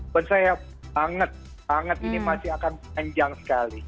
buat saya banget banget ini masih akan panjang sekali